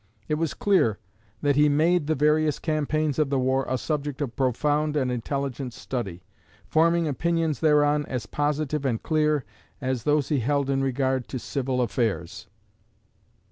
It was clear that he made the various campaigns of the war a subject of profound and intelligent study, forming opinions thereon as positive and clear as those he held in regard to civil affairs."